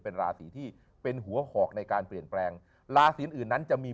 เป็นราศีที่เป็นหัวหอกในการเปลี่ยนแปลงราศีอื่นนั้นจะมี